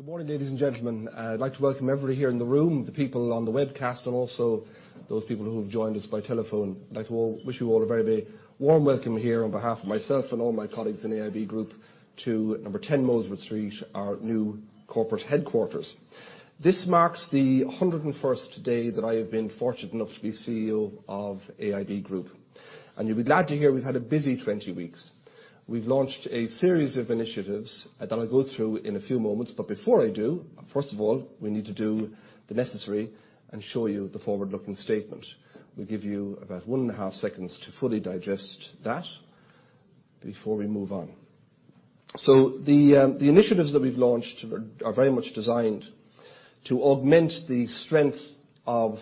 Good morning, ladies and gentlemen. I'd like to welcome everybody here in the room, the people on the webcast, and also those people who have joined us by telephone. I'd like to wish you all a very big, warm welcome here on behalf of myself and all my colleagues in AIB Group to Number 10 Molesworth Street, our new corporate headquarters. This marks the 101 day that I have been fortunate enough to be CEO of AIB Group, and you'll be glad to hear we've had a busy 20 weeks. We've launched a series of initiatives that I'll go through in a few moments, but before I do, first of all, we need to do the necessary and show you the forward-looking statement. We'll give you about one and a half seconds to fully digest that before we move on. The initiatives that we've launched are very much designed to augment the strength of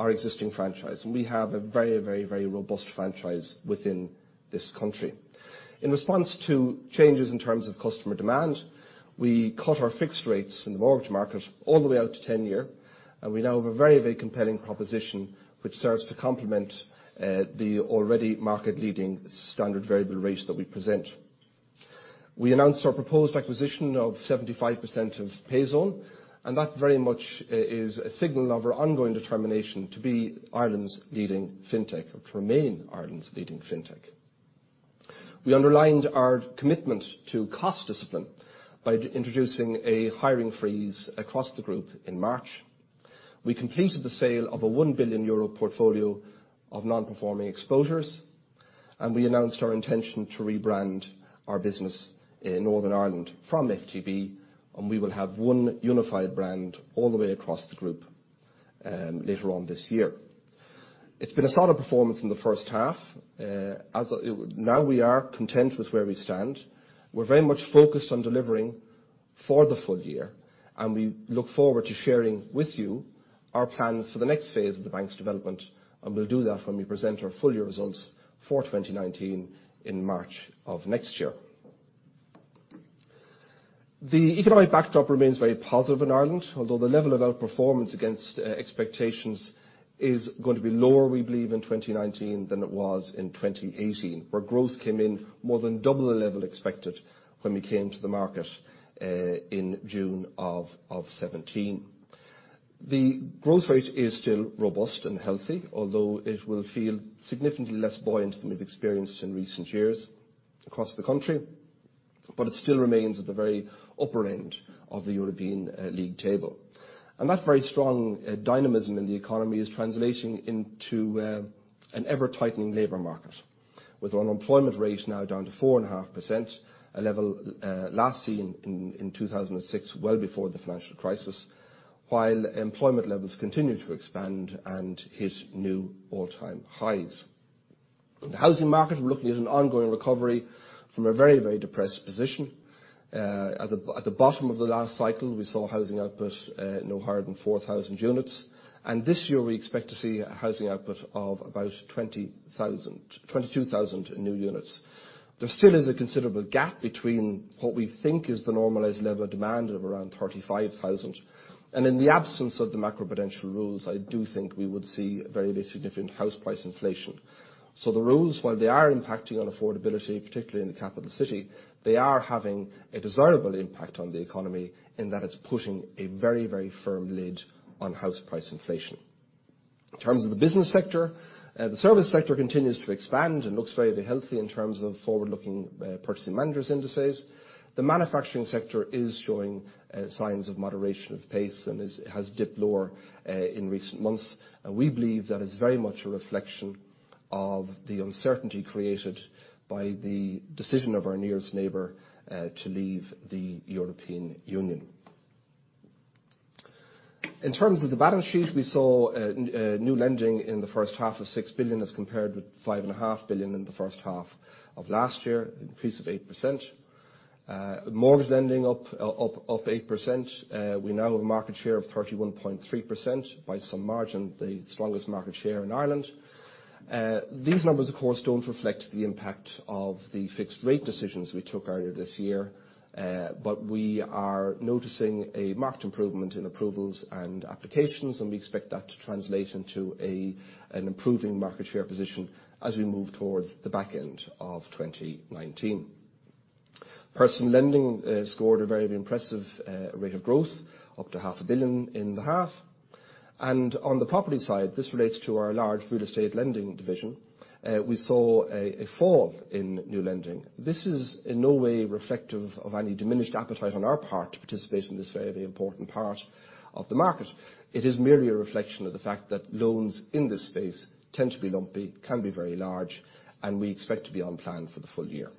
our existing franchise, and we have a very robust franchise within this country. In response to changes in terms of customer demand, we cut our fixed rates in the mortgage market all the way out to 10 years, and we now have a very compelling proposition, which serves to complement the already market-leading standard variable rate that we present. We announced our proposed acquisition of 75% of Payzone, and that very much is a signal of our ongoing determination to be Ireland's leading fintech, or to remain Ireland's leading fintech. We underlined our commitment to cost discipline by introducing a hiring freeze across the group in March. We completed the sale of a 1 billion euro portfolio of non-performing exposures, and we announced our intention to rebrand our business in Northern Ireland from FTB, and we will have one unified brand all the way across the group, later on this year. It's been a solid performance in the first half. Now we are content with where we stand. We're very much focused on delivering for the full year, and we look forward to sharing with you our plans for the next phase of the bank's development. We'll do that when we present our full-year results for 2019 in March of next year. The economic backdrop remains very positive in Ireland, although the level of outperformance against expectations is going to be lower, we believe, in 2019 than it was in 2018, where growth came in more than double the level expected when we came to the market in June of 2017. The growth rate is still robust and healthy, although it will feel significantly less buoyant than we've experienced in recent years across the country. It still remains at the very upper end of the European league table. That very strong dynamism in the economy is translating into an ever-tightening labor market. With unemployment rate now down to 4.5%, a level last seen in 2006, well before the financial crisis, while employment levels continue to expand and hit new all-time highs. In the housing market, we're looking at an ongoing recovery from a very depressed position. At the bottom of the last cycle, we saw housing output no higher than 4,000 units, and this year we expect to see a housing output of about 22,000 new units. There still is a considerable gap between what we think is the normalized level of demand of around 35,000. In the absence of the macroprudential rules, I do think we would see very significant house price inflation. The rules, while they are impacting affordability, particularly in the capital city, they are having a desirable impact on the economy in that it's putting a very firm lid on house price inflation. In terms of the business sector, the service sector continues to expand and looks very healthy in terms of forward-looking purchasing managers' indices. The manufacturing sector is showing signs of moderation of pace and has dipped lower in recent months. We believe that is very much a reflection of the uncertainty created by the decision of our nearest neighbor to leave the European Union. In terms of the balance sheet, we saw new lending in the first half of 6 billion as compared with 5.5 billion in the first half of last year, an increase of 8%. Mortgage lending up 8%. We now have a market share of 31.3%, by some margin, the strongest market share in Ireland. These numbers, of course, don't reflect the impact of the fixed rate decisions we took earlier this year. We are noticing a marked improvement in approvals and applications, and we expect that to translate into an improving market share position as we move towards the back end of 2019. Personal lending scored a very impressive rate of growth, up to EUR half a billion in the half. On the property side, this relates to our large real estate lending division. We saw a fall in new lending. This is in no way reflective of any diminished appetite on our part to participate in this very important part of the market. It is merely a reflection of the fact that loans in this space tend to be lumpy, can be very large, and we expect to be on plan for the full year.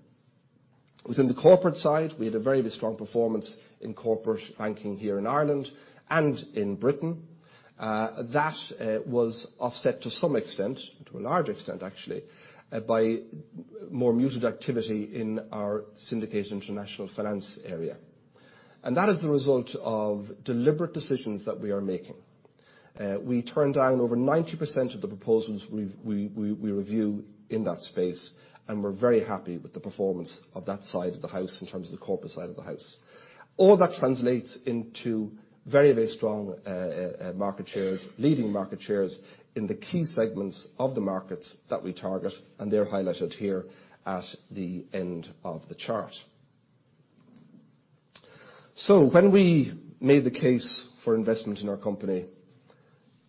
Within the corporate side, we had a very strong performance in corporate banking here in Ireland and in Britain. That was offset to some extent, to a large extent actually, by more muted activity in our syndicated international finance area. That is the result of deliberate decisions that we are making. We turn down over 90% of the proposals we review in that space, and we're very happy with the performance of that side of the house in terms of the corporate side of the house. All that translates into very strong market shares, leading market shares, in the key segments of the markets that we target, and they're highlighted here at the end of the chart. When we made the case for investment in our company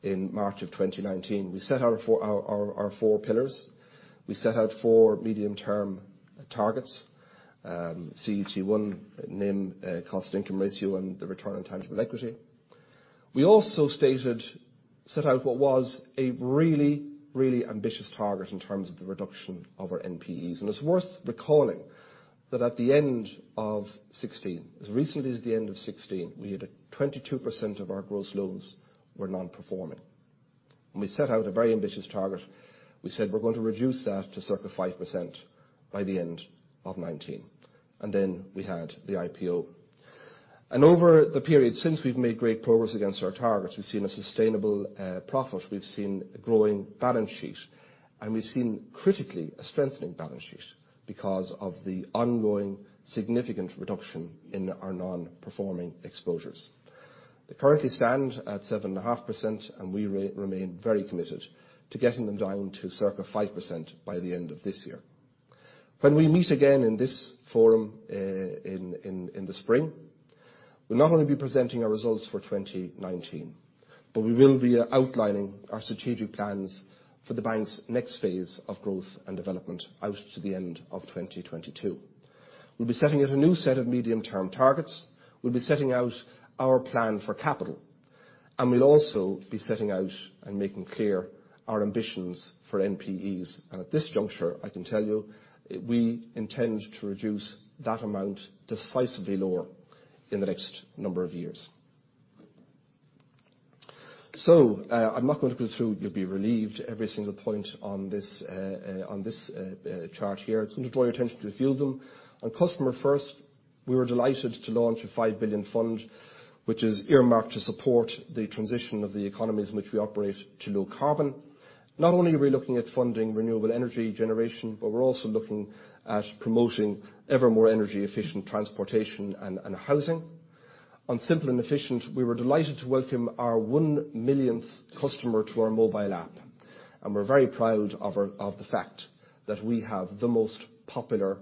in March of 2019, we set out our four pillars. We set out four medium-term targets. CET1, NIM, cost-to-income ratio, and the return on tangible equity. We also set out what was a really, really ambitious target in terms of the reduction of our NPEs. It's worth recalling that at the end of 2016, as recently as the end of 2016, we had 22% of our gross loans were non-performing. We set out a very ambitious target. We said we're going to reduce that to circa 5% by the end of 2019. Then we had the IPO. Over the period since, we've made great progress against our targets. We've seen a sustainable profit. We've seen a growing balance sheet, and we've seen, critically, a strengthening balance sheet because of the ongoing significant reduction in our non-performing exposures. They currently stand at 7.5%, and we remain very committed to getting them down to circa 5% by the end of this year. When we meet again in this forum, in the spring, we'll not only be presenting our results for 2019, but we will be outlining our strategic plans for the bank's next phase of growth and development out to the end of 2022. We'll be setting out a new set of medium-term targets. We'll be setting out our plan for capital. We'll also be setting out and making clear our ambitions for NPEs. At this juncture, I can tell you, we intend to reduce that amount decisively lower in the next number of years. I'm not going to go through, you'll be relieved, every single point on this chart here. I'm just going to draw your attention to a few of them. On Customer First, we were delighted to launch a 5 billion fund, which is earmarked to support the transition of the economies in which we operate to low-carbon. Not only are we looking at funding renewable energy generation, we're also looking at promoting ever more energy-efficient transportation and housing. On Simple and Efficient, we were delighted to welcome our 1 millionth customer to our mobile app, and we're very proud of the fact that we have the most popular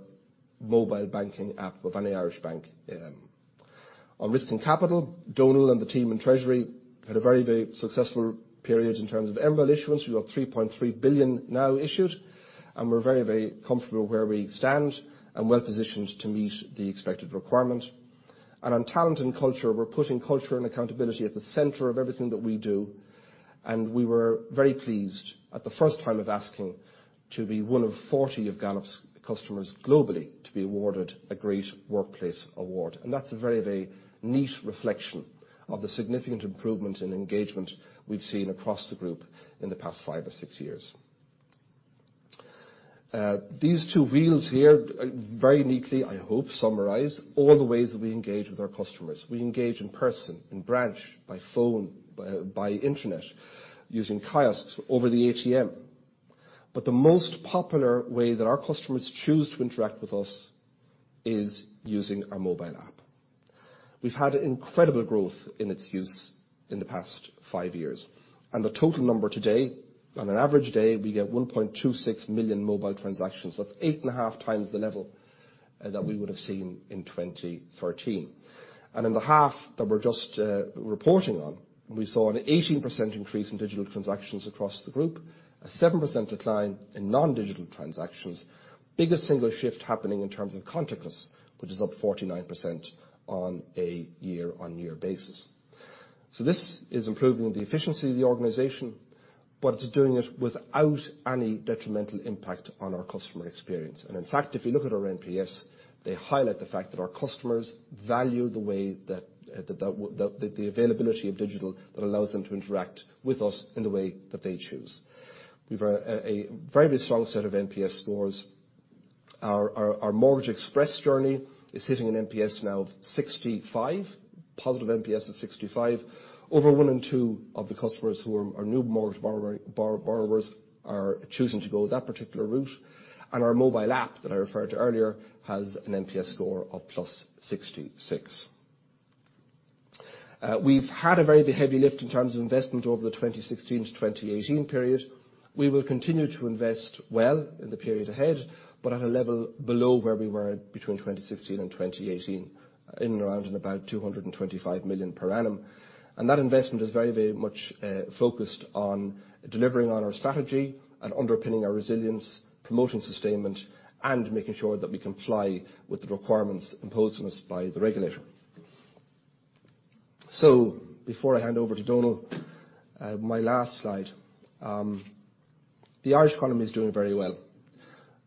mobile banking app of any Irish bank. On Risk and Capital, Donal and the team in Treasury had a very successful period in terms of MREL issuance. We have 3.3 billion now issued, and we're very comfortable where we stand and well-positioned to meet the expected requirement. On Talent and Culture, we're putting culture and accountability at the center of everything that we do, and we were very pleased at the first time of asking to be one of 40 of Gallup's customers globally to be awarded a Great Workplace Award. That's a very neat reflection of the significant improvement in engagement we've seen across the group in the past five or six years. These two wheels here very neatly, I hope, summarize all the ways that we engage with our customers. We engage in person, in branch, by phone, by internet, using kiosks, over the ATM. The most popular way that our customers choose to interact with us is using our mobile app. We've had incredible growth in its use in the past five years, and the total number today, on an average day, we get 1.26 million mobile transactions. That's eight and a half times the level that we would have seen in 2013. In the half that we're just reporting on, we saw an 18% increase in digital transactions across the group, a 7% decline in non-digital transactions. Biggest single shift happening in terms of contactless, which is up 49% on a year-on-year basis. This is improving the efficiency of the organization, but it's doing it without any detrimental impact on our customer experience. In fact, if you look at our NPS, they highlight the fact that our customers value the availability of digital that allows them to interact with us in the way that they choose. We have a very strong set of NPS scores. Our Mortgage Express journey is sitting at NPS now of 65, positive NPS of 65. Over one in two of the customers who are new mortgage borrowers are choosing to go that particular route, and our mobile app that I referred to earlier has an NPS score of +66. We've had a very heavy lift in terms of investment over the 2016-2018 period. We will continue to invest well in the period ahead, but at a level below where we were between 2016 and 2018, in and around about 225 million per annum. That investment is very much focused on delivering on our strategy and underpinning our resilience, promoting sustainment, and making sure that we comply with the requirements imposed on us by the regulator. Before I hand over to Donal, my last slide. The Irish economy is doing very well,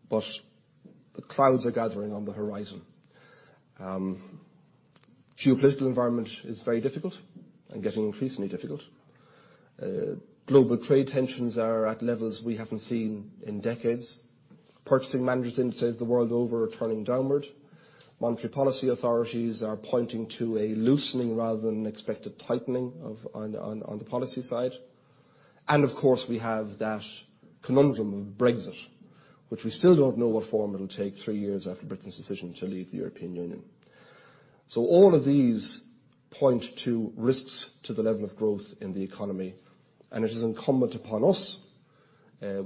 but the clouds are gathering on the horizon. Geopolitical environment is very difficult and getting increasingly difficult. Global trade tensions are at levels we haven't seen in decades. Purchasing managers' indices the world over are turning downward. Monetary policy authorities are pointing to a loosening rather than an expected tightening on the policy side. Of course, we have that conundrum of Brexit, which we still don't know what form it'll take three years after Britain's decision to leave the European Union. All of these point to risks to the level of growth in the economy, and it is incumbent upon us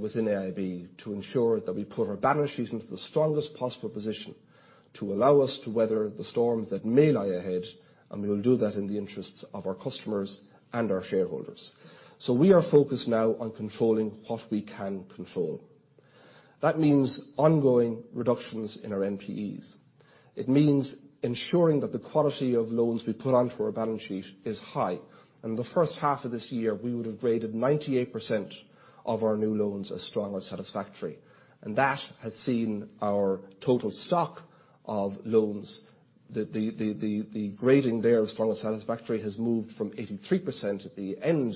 within AIB Group to ensure that we put our balance sheet into the strongest possible position to allow us to weather the storms that may lie ahead, and we will do that in the interests of our customers and our shareholders. We are focused now on controlling what we can control. That means ongoing reductions in our NPEs. It means ensuring that the quality of loans we put onto our balance sheet is high. In the first half of this year, we would have graded 98% of our new loans as strong or satisfactory, that has seen our total stock of loans, the grading there of strong or satisfactory has moved from 83% at the end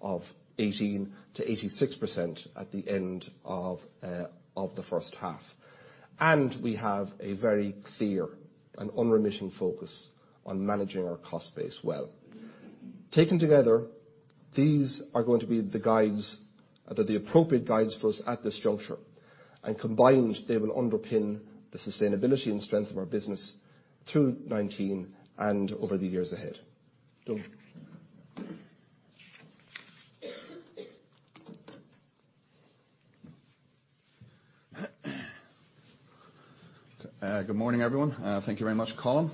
of 2018 to 86% at the end of the first half. We have a very clear and unremitting focus on managing our cost base well. Taken together, these are going to be the appropriate guides for us at this juncture, combined, they will underpin the sustainability and strength of our business through 2019 and over the years ahead. Donal. Good morning, everyone. Thank you very much, Colin.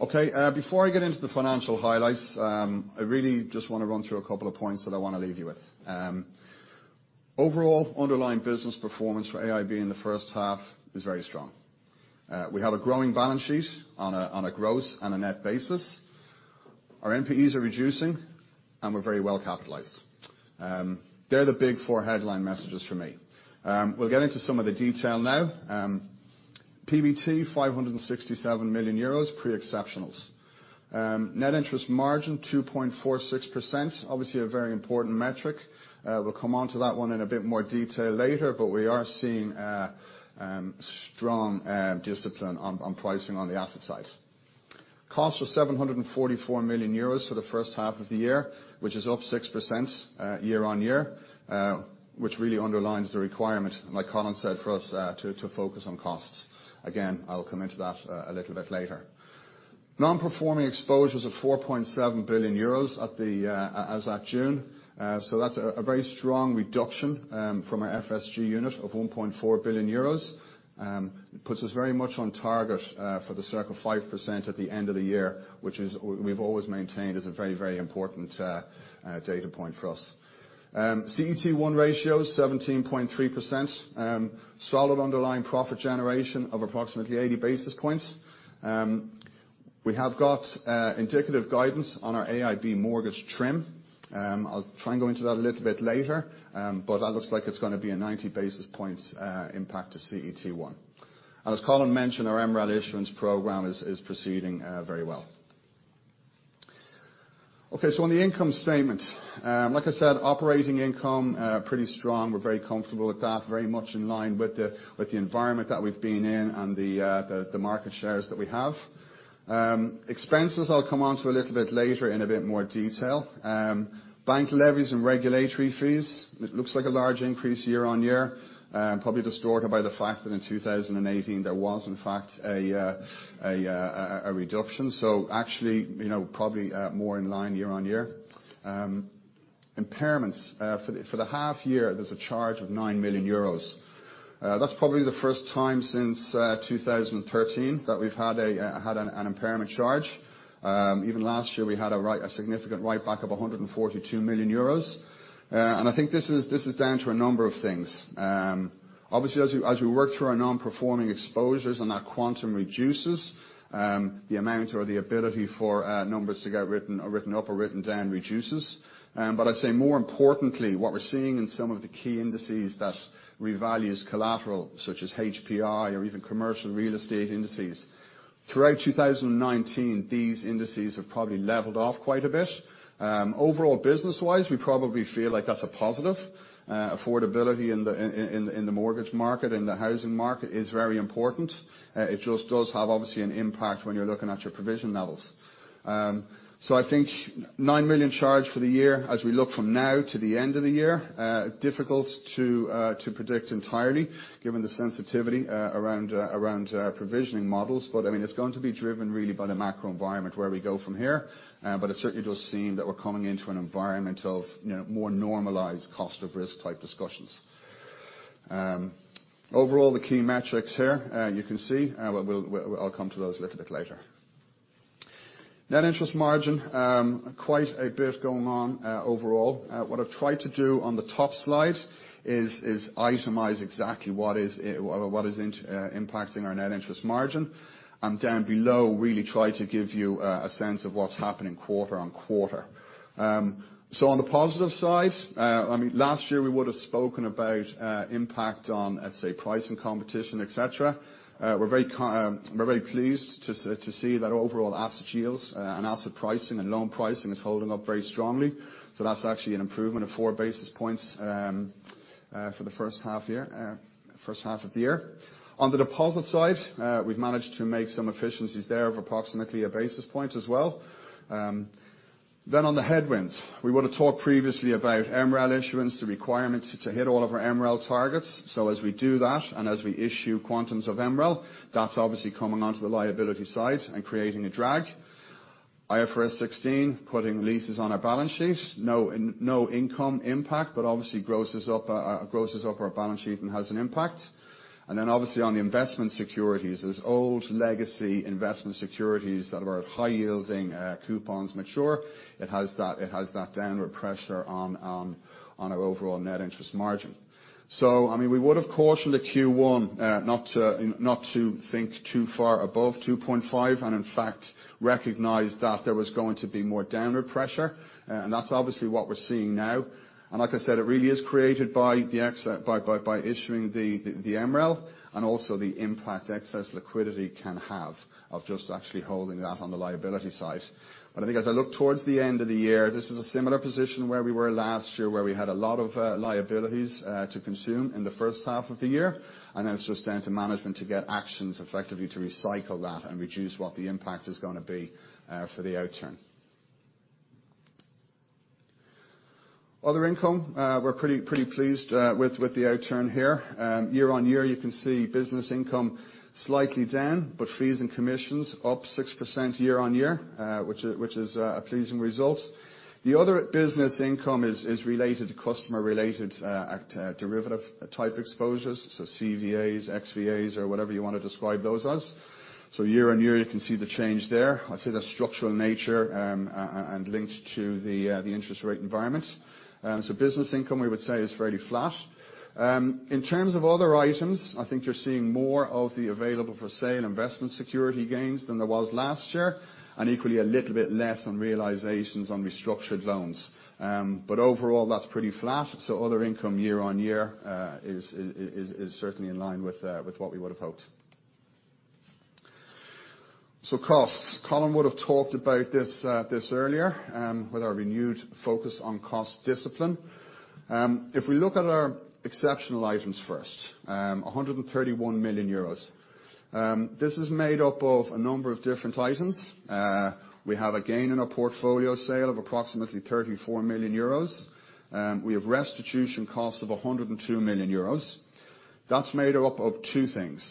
Okay, before I get into the financial highlights, I really just want to run through a couple of points that I want to leave you with. Overall underlying business performance for AIB Group in the first half is very strong. We have a growing balance sheet on a gross and a net basis. Our NPEs are reducing, and we're very well capitalized. They're the big four headline messages for me. We'll get into some of the details now. PBT, 567 million euros pre-exceptionals. Net interest margin, 2.46%. Obviously, a very important metric. We'll come onto that one in a bit more detail later, but we are seeing strong discipline on pricing on the asset side. Cost was 744 million euros for the first half of the year, which is up 6% year-on-year, which really underlines the requirement, like Colin said, for us to focus on costs. I will come into that a little bit later. Non-Performing Exposures of 4.7 billion euros as at June. That is a very strong reduction from our FSG unit of 1.4 billion euros. It puts us very much on target for the circa 5% at the end of the year, which we have always maintained is a very, very important data point for us. CET1 ratio is 17.3%. Solid underlying profit generation of approximately 80 basis points. We have got indicative guidance on our AIB mortgage TRIM. I will try and go into that a little bit later, it looks like it is going to be a 90 basis points impact to CET1. As Colin mentioned, our MREL issuance program is proceeding very well. Okay, on the income statement. Like I said, operating income is pretty strong. We're very comfortable with that. Very much in line with the environment that we've been in and the market shares that we have. Expenses, I'll come onto a little bit later in a bit more detail. Bank levies and regulatory fees, it looks like a large increase year-on-year, probably distorted by the fact that in 2018 there was in fact a reduction. Actually, probably more in line year-on-year. Impairments. For the half year, there's a charge of 9 million euros. That's probably the first time since 2013 that we've had an impairment charge. Even last year, we had a significant write-back of 142 million euros. I think this is down to a number of things. As we work through our non-performing exposures and that quantum reduces, the amount or the ability for numbers to get written up or written down reduces. I'd say more importantly, what we're seeing in some of the key indices that revalue collateral, such as HPI or even commercial real estate indices. Throughout 2019, these indices have probably leveled off quite a bit. Overall, business-wise, we probably feel like that's a positive. Affordability in the mortgage market in the housing market is very important. It just does have obviously an impact when you're looking at your provision levels. I think 9 million charge for the year as we look from now to the end of the year, difficult to predict entirely, given the sensitivity around provisioning models. It's going to be driven really by the macro environment, where we go from here. It certainly does seem that we're coming into an environment of more normalized cost-of-risk-type discussions. Overall, the key metrics here, you can see. I'll come to those a little bit later. Net interest margin, quite a bit going on overall. What I've tried to do on the top slide is itemize exactly what is impacting our net interest margin, and down below, really try to give you a sense of what's happening quarter-on-quarter. On the positive side, last year we would have spoken about impact on, let's say, price and competition, et cetera. We're very pleased to see that overall asset yields and asset pricing and loan pricing is holding up very strongly. That's actually an improvement of four basis points for the first half of the year. On the deposit side, we've managed to make some efficiencies there of approximately a basis point as well. On the headwinds, we would've talked previously about MREL issuance, the requirement to hit all of our MREL targets. As we do that and as we issue quantums of MREL, that's obviously coming onto the liability side and creating a drag. IFRS 16, putting leases on our balance sheet, no income impact, but obviously grosses up our balance sheet and has an impact. Obviously, on the investment securities, there's old legacy investment securities that are of high yielding coupons mature. It has that downward pressure on our overall net interest margin. We would have cautioned at Q1 not to think too far above 2.5, and in fact, recognized that there was going to be more downward pressure. That's obviously what we're seeing now. Like I said, it really is created by issuing the MREL, and also the impact excess liquidity can have of just actually holding that on the liability side. I think as I look towards the end of the year, this is a similar position where we were last year, where we had a lot of liabilities to consume in the first half of the year, and then it's just down to management to get actions effectively to recycle that and reduce what the impact is going to be for the outturn. Other income, we're pretty pleased with the outturn here. Year-on-year, you can see business income slightly down, but fees and commissions up 6% year-on-year, which is a pleasing result. The other business income is related to customer-related derivative type exposures, so CVAs, XVAs, or whatever you want to describe those as. Year-on-year, you can see the change there. I'd say they're structural in nature and linked to the interest rate environment. Business income, we would say, is fairly flat. In terms of other items, I think you're seeing more of the available-for-sale investment security gains than there was last year, and equally a little bit less on realizations on restructured loans. Overall, that's pretty flat, so other income year-on-year is certainly in line with what we would have hoped. Costs. Colin would have talked about this earlier, with our renewed focus on cost discipline. If we look at our exceptional items first, 131 million euros. This is made up of a number of different items. We have a gain in our portfolio sale of approximately 34 million euros. We have restitution costs of 102 million euros. That's made up of two things.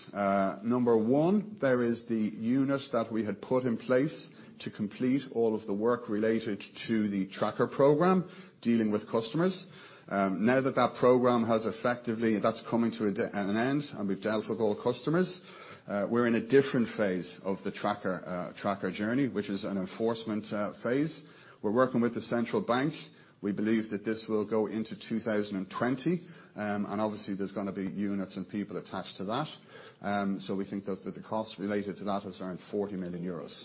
Number one, there is the unit that we had put in place to complete all of the work related to the tracker program, dealing with customers. Now that the program that's coming to an end and we've dealt with all customers, we're in a different phase of the tracker journey, which is an enforcement phase. We're working with the Central Bank. We believe that this will go into 2020, and obviously, there's going to be units and people attached to that. We think that the cost related to that is around 40 million euros.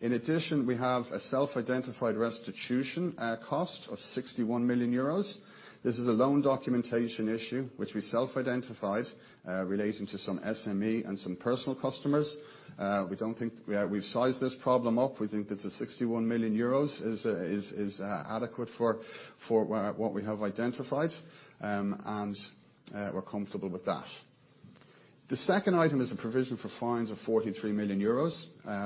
In addition, we have a self-identified restitution cost of 61 million euros. This is a loan documentation issue which we self-identified relating to some SME and some personal customers. We've sized this problem up. We think that the 61 million euros is adequate for what we have identified. We're comfortable with that. The second item is a provision for fines of 43 million euros.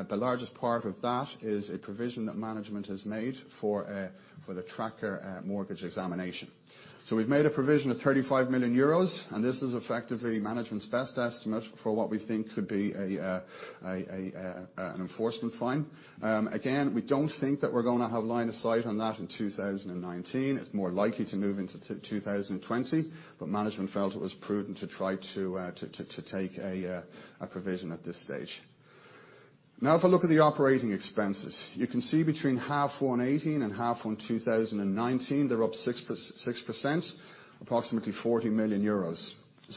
The largest part of that is a provision that management has made for the tracker mortgage examination. We've made a provision of 35 million euros, and this is effectively management's best estimate for what we think could be an enforcement fine. Again, we don't think that we're going to have line of sight on that in 2019. It's more likely to move into 2020. Management felt it was prudent to try to take a provision at this stage. If I look at the operating expenses. You can see between half one 2018 and half one 2019, they're up 6%, approximately 40 million euros.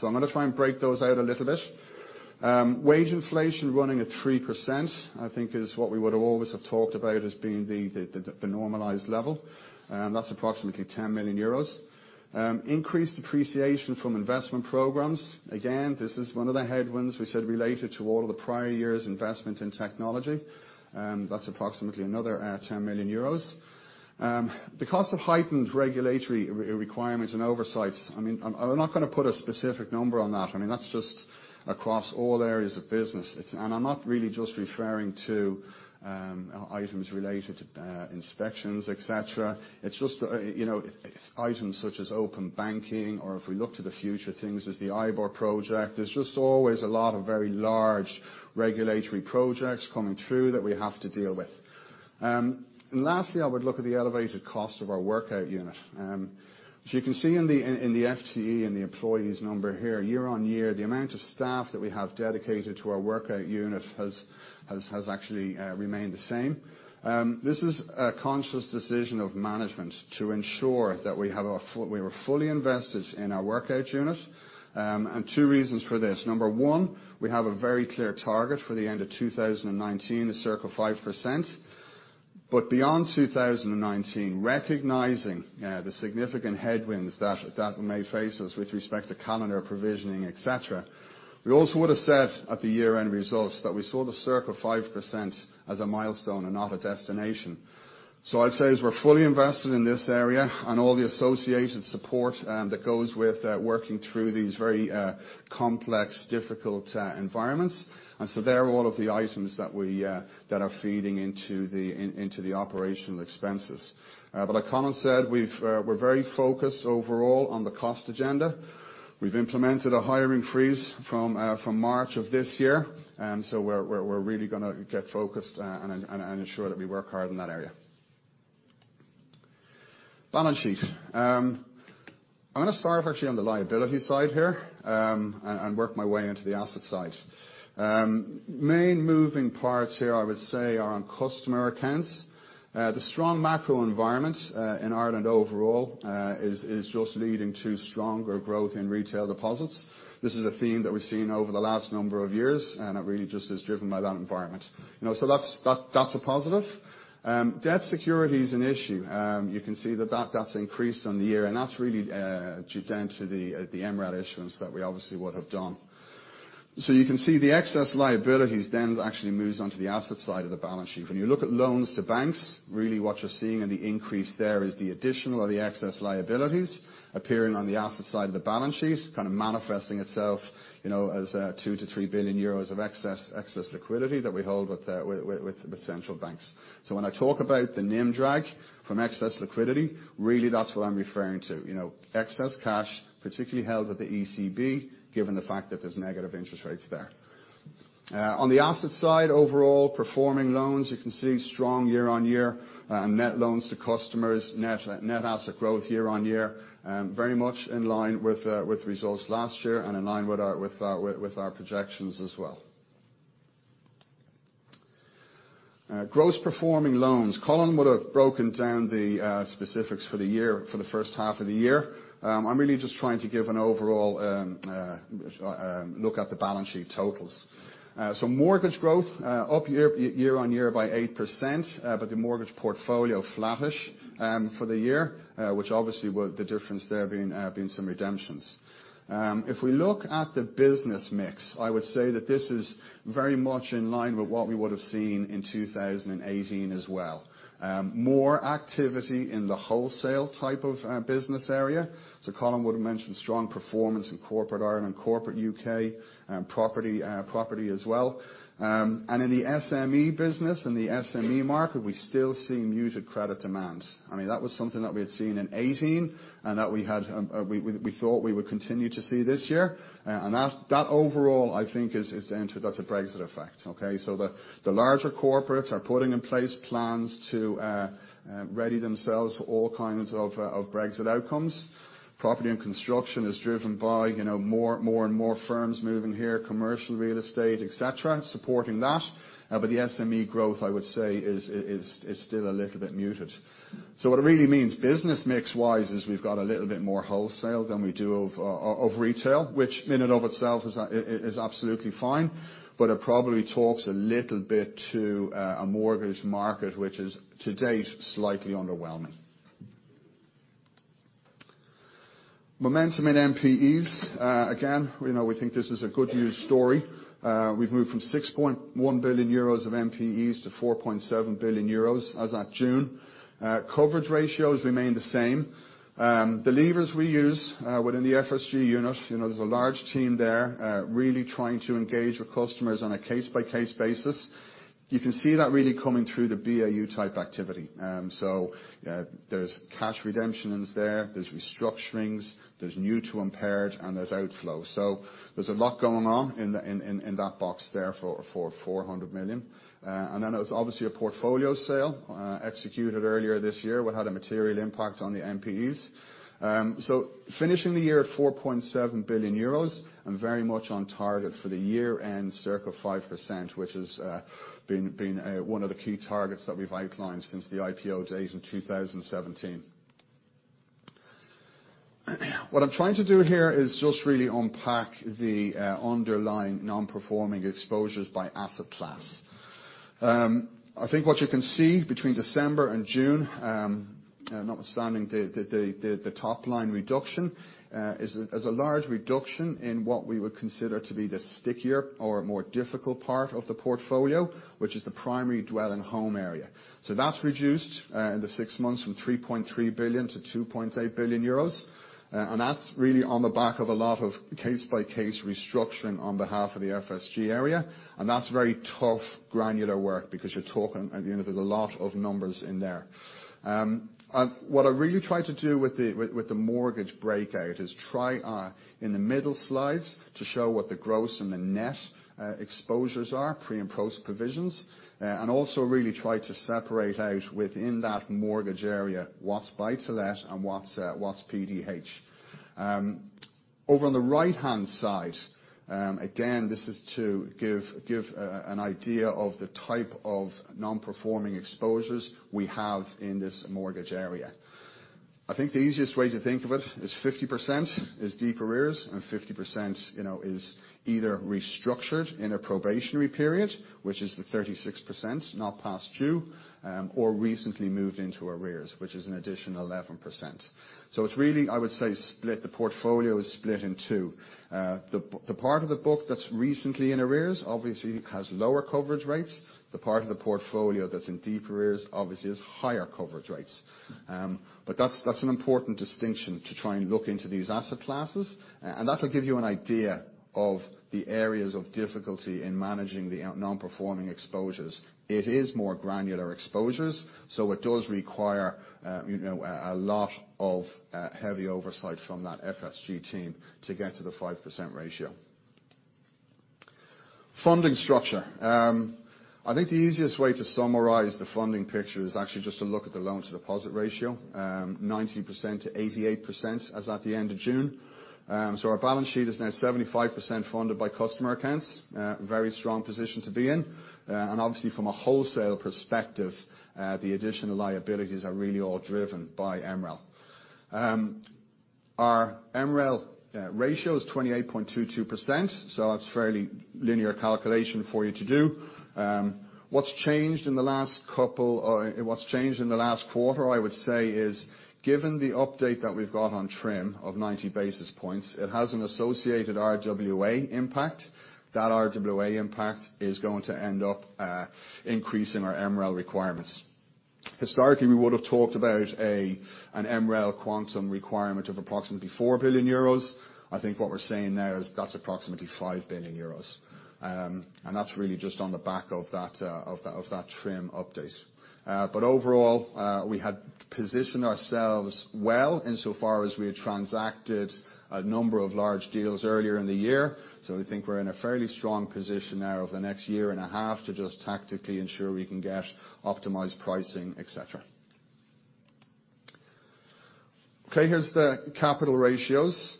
I'm going to try and break those out a little bit. Wage inflation running at 3%, I think, is what we would always have talked about as being the normalized level. That's approximately 10 million euros. Increased depreciation from investment programs. Again, this is one of the headwinds we said related to all of the prior year's investment in technology. That's approximately another 10 million euros. The cost of heightened regulatory requirements and oversights, I'm not going to put a specific number on that. That's just across all areas of business. I'm not really just referring to items related to inspections, et cetera. It's just items such as open banking or if we look to the future things as the IBOR project. There's just always a lot of very large regulatory projects coming through that we have to deal with. Lastly, I would look at the elevated cost of our workout unit. You can see in the FTE and the employees number here, year-on-year, the amount of staff that we have dedicated to our workout unit has actually remained the same. This is a conscious decision of management to ensure that we were fully invested in our workout unit. Two reasons for this. Number one, we have a very clear target for the end of 2019, a circa 5%. Beyond 2019, recognizing the significant headwinds that may face us with respect to calendar provisioning, et cetera, we also would have said at the year-end results that we saw the circa 5% as a milestone and not a destination. I'd say as we're fully invested in this area and all the associated support that goes with working through these very complex, difficult environments. They're all of the items that are feeding into the operational expenses. Like Colin said, we're very focused overall on the cost agenda. We've implemented a hiring freeze from March of this year, we're really going to get focused and ensure that we work hard in that area. Balance sheet. I'm going to start off actually on the liability side here, work my way into the asset side. Main moving parts here, I would say, are on customer accounts. The strong macro environment in Ireland overall is just leading to stronger growth in retail deposits. This is a theme that we've seen over the last number of years, it really just is driven by that environment. That's a positive. Debt security is an issue. You can see that that's increased on the year, that's really due down to the MREL issuance that we obviously would have done. You can see the excess liabilities then actually moves on to the asset side of the balance sheet. When you look at loans to banks, really what you're seeing in the increase there is the additional or the excess liabilities appearing on the asset side of the balance sheet, kind of manifesting itself as 2 billion-3 billion euros of excess liquidity that we hold with central banks. When I talk about the NIM drag from excess liquidity, really that's what I'm referring to. Excess cash, particularly held with the ECB, given the fact that there's negative interest rates there. On the asset side, overall, performing loans, you can see strong year-on-year, net loans to customers, net asset growth year-on-year, very much in line with results last year and in line with our projections as well. Gross performing loans. Colin would've broken down the specifics for the year for the first half of the year. I'm really just trying to give an overall look at the balance sheet totals. Mortgage growth, up year-on-year by 8%, but the mortgage portfolio flattish for the year, which obviously the difference there being some redemptions. If we look at the business mix, I would say that this is very much in line with what we would've seen in 2018 as well. More activity in the wholesale type of business area. Colin would've mentioned strong performance in corporate Ireland, corporate U.K., and property as well. In the SME business and the SME market, we still see muted credit demand. I mean that was something that we had seen in 2018, and that we thought we would continue to see this year. That overall I think is down to, that's a Brexit effect. Okay? The larger corporates are putting in place plans to ready themselves for all kinds of Brexit outcomes. Property and construction is driven by more and more firms moving here, commercial real estate, et cetera, supporting that. The SME growth, I would say is still a little bit muted. What it really means business mix-wise, is we've got a little bit more wholesale than we do of retail. Which in and of itself is absolutely fine, but it probably talks a little bit to a mortgage market which is to date, slightly underwhelming. Momentum in NPEs. Again, we think this is a good news story. We've moved from 6.1 billion euros of NPEs to 4.7 billion euros as at June. Coverage ratios remain the same. The levers we use within the FSG unit, there's a large team there, really trying to engage with customers on a case-by-case basis. You can see that really coming through the BAU-type activity. There's cash redemptions there's restructurings, there's new to impaired, and there's outflow. There's a lot going on in that box there for 400 million. There was obviously a portfolio sale executed earlier this year what had a material impact on the NPEs. Finishing the year at 4.7 billion euros and very much on target for the year-end, circa 5%, which has been one of the key targets that we've outlined since the IPO to date in 2017. What I'm trying to do here is just really unpack the underlying non-performing exposures by asset class. I think what you can see between December and June, notwithstanding the top-line reduction, is a large reduction in what we would consider to be the stickier or more difficult part of the portfolio, which is the Primary Dwelling Home area. That's reduced in the six months from 3.3 billion to 2.8 billion euros. That's really on the back of a lot of case-by-case restructuring on behalf of the FSG area, and that's very tough granular work because you're talking, there's a lot of numbers in there. What I really tried to do with the mortgage breakout is try in the middle slides to show what the gross and the net exposures are, pre and post-provisions. Also, really try to separate out within that mortgage area what's buy-to-let and what's PDH. Over on the right-hand side, again, this is to give an idea of the type of non-performing exposures we have in this mortgage area. I think the easiest way to think of it is 50% is deep arrears and 50% is either restructured in a probationary period, which is the 36% not past due, or recently moved into arrears, which is an additional 11%. It's really, I would say, split. The portfolio is split in two. The part of the book that's recently in arrears obviously has lower coverage rates. The part of the portfolio that's in deep arrears obviously has higher coverage rates. That's an important distinction to try and look into these asset classes. That'll give you an idea of the areas of difficulty in managing the non-performing exposures. It is more granular exposures, so it does require a lot of heavy oversight from the FSG team to get to the 5% ratio. Funding structure. I think the easiest way to summarize the funding picture is actually just to look at the loan to deposit ratio, 90% to 88% as at the end of June. Our balance sheet is now 75% funded by customer accounts. A very strong position to be in. Obviously, from a wholesale perspective, the additional liabilities are really all driven by MREL. Our MREL ratio is 28.22%, so that's fairly linear calculation for you to do. What's changed in the last quarter, I would say, is given the update that we've got on TRIM of 90 basis points, it has an associated RWA impact. That RWA impact is going to end up increasing our MREL requirements. Historically, we would have talked about an MREL quantum requirement of approximately 4 billion euros. I think what we're saying now is that's approximately 5 billion euros. That's really just on the back of that TRIM update. Overall, we had positioned ourselves well insofar as we had transacted a number of large deals earlier in the year. We think we're in a fairly strong position now over the next year and a half to just tactically ensure we can get optimized pricing, et cetera. Okay, here are the capital ratios.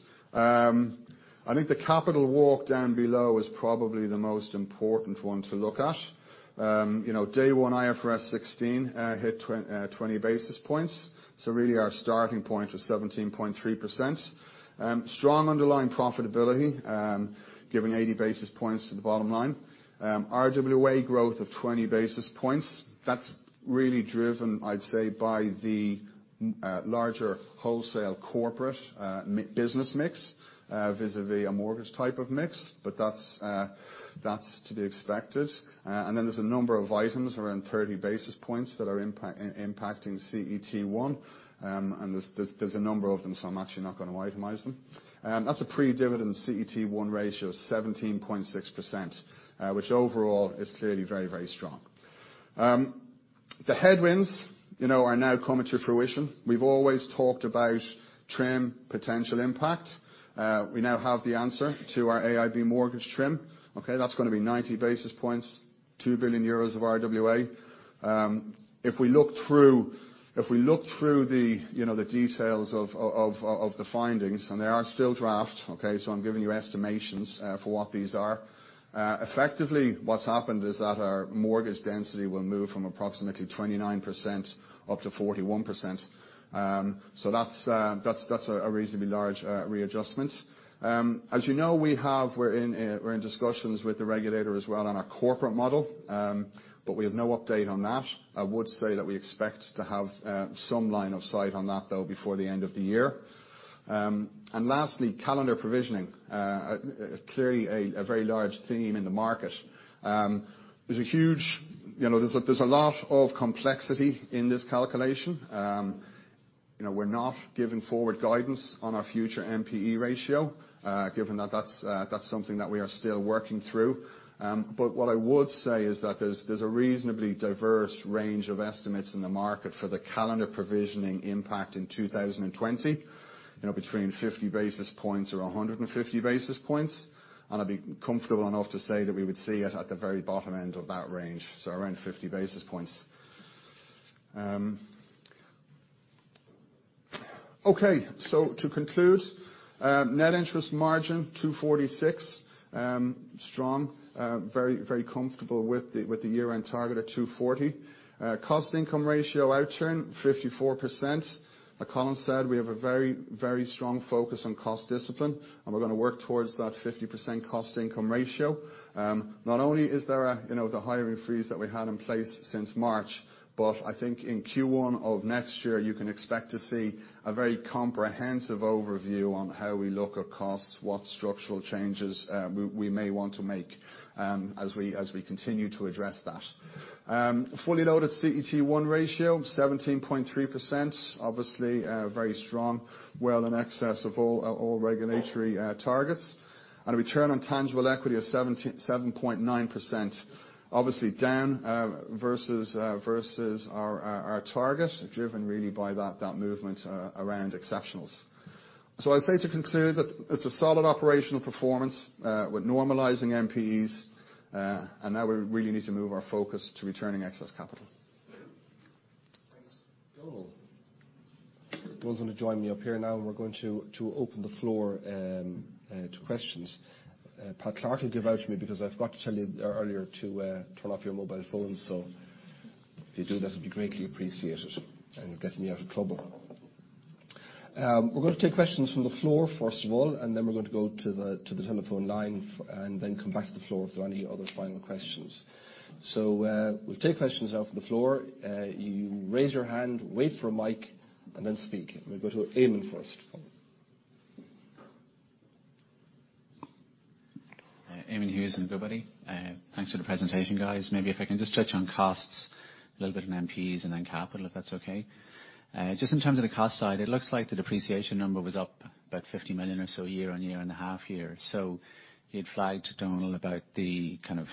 I think the capital walk down below is probably the most important one to look at. Day 1, IFRS 16 hit 20 basis points. Really, our starting point was 17.3%. Strong underlying profitability, giving 80 basis points to the bottom line. RWA growth of 20 basis points. That's really driven, I'd say, by the larger wholesale corporate business mix, vis-a-vis a mortgage type of mix, but that's to be expected. There's a number of items around 30 basis points that are impacting CET1. There's a number of them, so I'm actually not going to itemize them. That's a pre-dividend CET1 ratio of 17.6%, which overall is clearly very strong. The headwinds are now coming to fruition. We've always talked about TRIM potential impact. We now have the answer to our AIB mortgage TRIM. Okay, that's going to be 90 basis points, 2 billion euros of RWA. If we look through the details of the findings, and they are still draft, okay, so I'm giving you estimations for what these are. Effectively, what's happened is that our mortgage density will move from approximately 29% up to 41%. That's a reasonably large readjustment. As you know, we're in discussions with the Regulator as well on our corporate model. We have no update on that. I would say that we expect to have some line of sight on that though, before the end of the year. Lastly, calendar provisioning. Clearly, a very large theme in the market. There's a lot of complexity in this calculation. We're not giving forward guidance on our future NPE ratio, given that that's something that we are still working through. What I would say is that there's a reasonably diverse range of estimates in the market for the calendar provisioning impact in 2020, between 50 basis points and 150 basis points. I'd be comfortable enough to say that we would see it at the very bottom end of that range, so around 50 basis points. Okay, to conclude, net interest marvgin 2.46%, strong, very comfortable with the year-end target of 2.40%. Cost-to-income ratio outturn 54%. As Colin said, we have a very strong focus on cost discipline, we're going to work towards that 50% cost-to-income ratio. Not only is there the hiring freeze that we had in place since March. I think in Q1 of next year, you can expect to see a very comprehensive overview on how we look at costs, what structural changes we may want to make as we continue to address that. Fully loaded CET1 ratio, 17.3%. Obviously, very strong. Well in excess of all regulatory targets. A return on tangible equity of 7.9%. Obviously down versus our target, driven really by that movement around exceptionals. I'd say to conclude that it's a solid operational performance with normalizing NPEs, and now we really need to move our focus to returning excess capital. Thanks. Donal. Donal's going to join me up here now, and we're going to open the floor to questions. Pat Clarke will devour me because I forgot to tell you earlier to turn off your mobile phones. If you do, that would be greatly appreciated, and you'll get me out of trouble. We're going to take questions from the floor first of all, and then we're going to go to the telephone line, and then come back to the floor if there are any other final questions. We'll take questions now from the floor. You raise your hand, wait for a mic, and then speak. We'll go to Eamonn first. Eamonn Hughes from Goodbody. Thanks for the presentation, guys. Maybe if I can just touch on costs a little bit on NPEs and then capital, if that's okay. Just in terms of the cost side, it looks like the depreciation number was up about 50 million or so year-on-year in the half-year. You'd flagged Donal about the kind of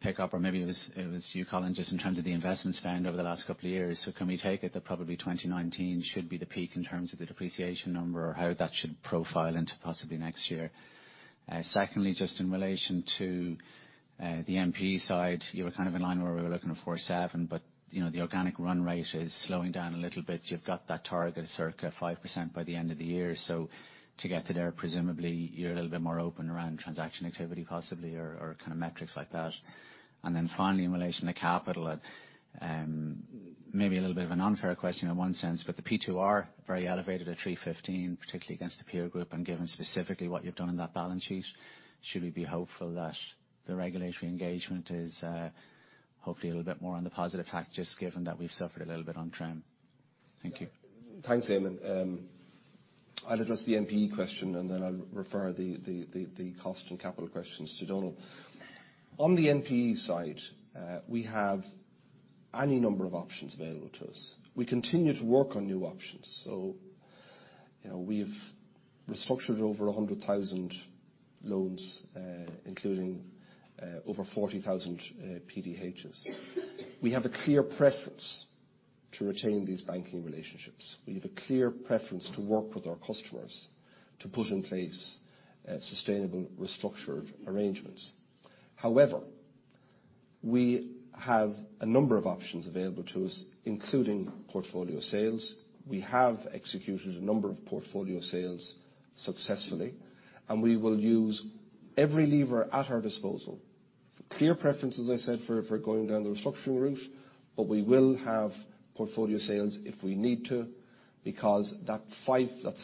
pickup, or maybe it was you, Colin, just in terms of the investment spend over the last couple of years. Can we take it that probably 2019 should be the peak in terms of the depreciation number? Or how that should profile into possibly next year? Secondly, just in relation to the NPE side. You were kind of in line where we were looking at 47. The organic run rate is slowing down a little bit. You've got that target of circa 5% by the end of the year. To get to there, presumably, you're a little bit more open around transaction activity, possibly, or kind of metrics like that. Then finally, in relation to capital, maybe a little bit of an unfair question in one sense, but the P2R, very elevated at 315, particularly against the peer group, and given specifically what you've done in that balance sheet. Should we be hopeful that the regulatory engagement is hopefully a little bit more on the positive track, just given that we've suffered a little bit on trend? Thank you. Thanks, Eamonn. Then I'll refer the cost and capital questions to Donal. On the NPE side, we have any number of options available to us. We continue to work on new options. We've restructured over 100,000 loans, including over 40,000 PDHs. We have a clear preference to retain these banking relationships. We have a clear preference to work with our customers to put in place sustainable restructured arrangements. However, we have a number of options available to us, including portfolio sales. We have executed a number of portfolio sales successfully. We will use every lever at our disposal. Clear preference, as I said, for going down the restructuring route. We will have portfolio sales if we need to because that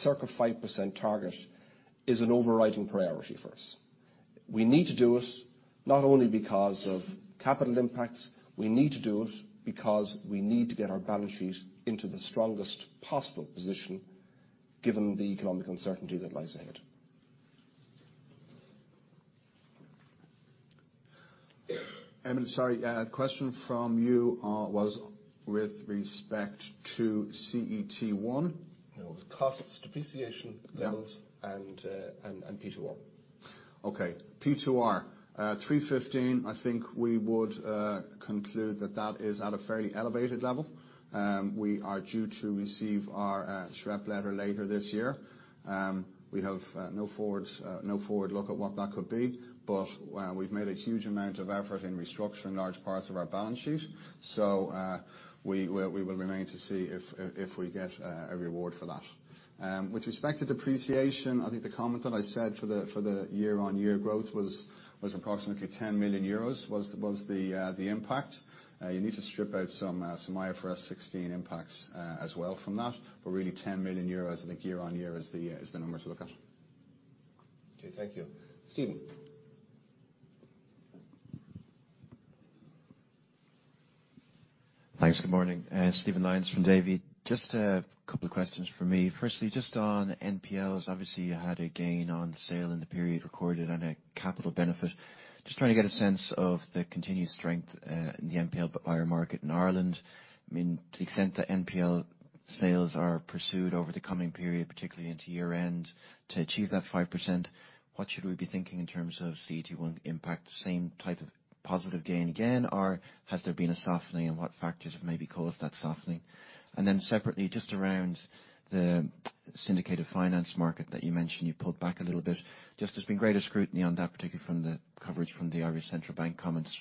circa 5% target is an overriding priority for us. We need to do it, not only because of capital impacts. We need to do it because we need to get our balance sheet into the strongest possible position given the economic uncertainty that lies ahead. Eamonn, sorry. Question from you was with respect to CET1. No. It was costs, depreciation- Yeah, growth and P2R. Okay. P2R. 315, I think we would conclude that that is at a very elevated level. We are due to receive our SREP letter later this year. We have no forward look at what that could be. We've made a huge amount of effort in restructuring large parts of our balance sheet. We will remain to see if we get a reward for that. With respect to depreciation, I think the comment that I said for the year-on-year growth was approximately 10 million euros, was the impact. You need to strip out some IFRS 16 impacts as well from that, really 10 million euros I think year-on-year is the number to look at. Okay, thank you. Stephen. Thanks. Good morning. Stephen Lyons from Davy. Just a couple of questions from me. Firstly, just on NPLs. Obviously, you had a gain on the sale in the period recorded on a capital benefit. Just trying to get a sense of the continued strength, in the NPL buyer market in Ireland. To the extent that NPL sales are pursued over the coming period, particularly into year-end, to achieve that 5%, what should we be thinking in terms of CET1 impact? The same type of positive gain again, or has there been a softening, and what factors have maybe caused that softening? Separately, just around the syndicated finance market that you mentioned you pulled back a little bit. Just there's been greater scrutiny on that, particularly from the coverage from the Irish Central Bank comments,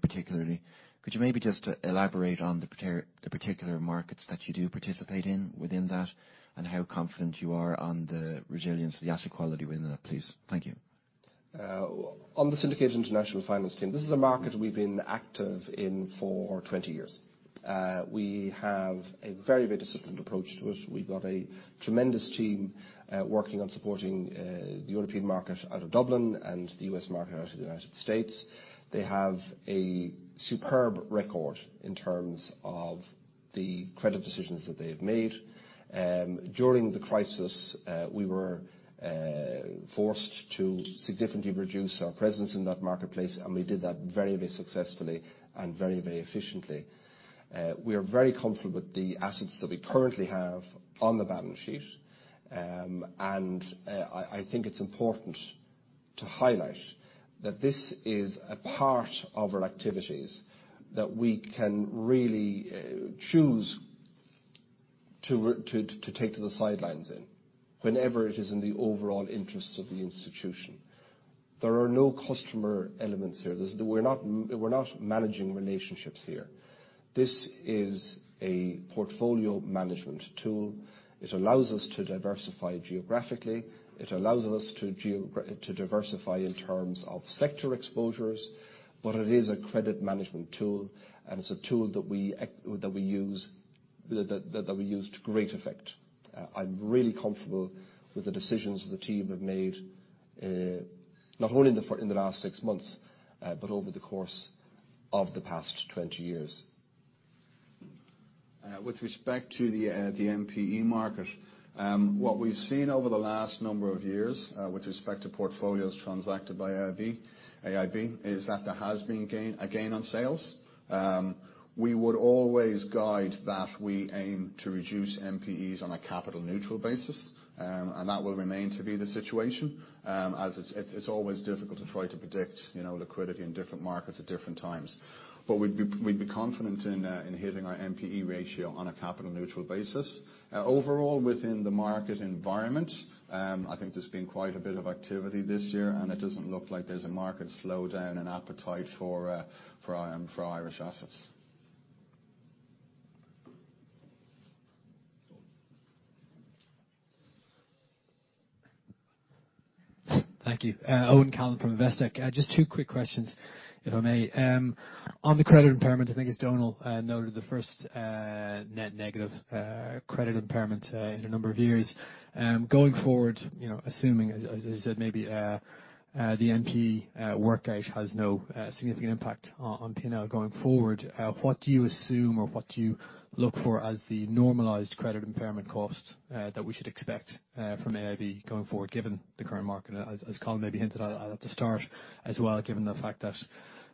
particularly. Could you maybe just elaborate on the particular markets that you do participate in within that, and how confident you are on the resilience of the asset quality within that, please? Thank you. On the syndicated international finance team, this is a market we've been active in for 20 years. We have a very disciplined approach to it. We've got a tremendous team working on supporting the European market out of Dublin and the U.S. market out of the United States. They have a superb record in terms of the credit decisions that they have made. During the crisis, we were forced to significantly reduce our presence in that marketplace, and we did that very successfully and very efficiently. We are very comfortable with the assets that we currently have on the balance sheet. I think it's important to highlight that this is a part of our activities that we can really choose to take to the sidelines in whenever it is in the overall interests of the institution. There are no customer elements here. We're not managing relationships here. This is a portfolio management tool. It allows us to diversify geographically. It allows us to diversify in terms of sector exposures, but it is a credit management tool, and it's a tool that we use to great effect. I'm really comfortable with the decisions the team have made, not only in the last six months, but over the course of the past 20 years. With respect to the NPE market, what we've seen over the last number of years, with respect to portfolios transacted by AIB Group, is that there has been a gain on sales. We would always guide that we aim to reduce NPEs on a capital-neutral basis, and that will remain to be the situation. As it's always difficult to try to predict liquidity in different markets at different times. We'd be confident in hitting our NPE ratio on a capital-neutral basis. Overall, within the market environment, I think there's been quite a bit of activity this year, and it doesn't look like there's a market slowdown and appetite for Irish assets. Thank you. Owen Callan from Investec. Just two quick questions, if I may. On the credit impairment, I think it is Donal noted the first net negative credit impairment in a number of years. Going forward, assuming, as I said, maybe the NPE workout has no significant impact on P&L going forward, what do you assume or what do you look for as the normalized credit impairment cost that we should expect from AIB Group going forward, given the current market, as Colin maybe hinted at the start as well, given the fact that